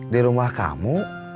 di rumah kamu